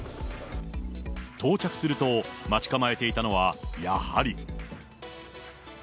到着すると、待ち構えていたのは、やはり。